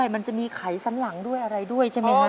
มันจะมีไขสันหลังด้วยอะไรด้วยใช่ไหมครับ